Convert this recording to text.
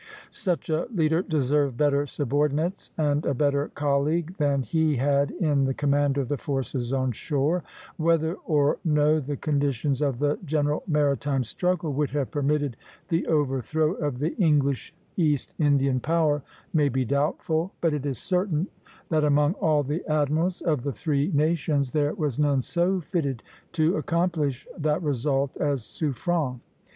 Such a leader deserved better subordinates, and a better colleague than he had in the commander of the forces on shore. Whether or no the conditions of the general maritime struggle would have permitted the overthrow of the English East Indian power may be doubtful; but it is certain that among all the admirals of the three nations there was none so fitted to accomplish that result as Suffren.